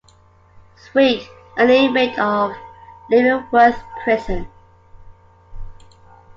Sweet, an inmate of Leavenworth Prison.